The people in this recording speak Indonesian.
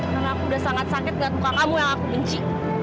karena aku udah sangat sakit ngeliat muka kamu yang aku benci